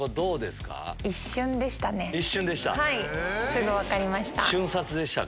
すぐ分かりました。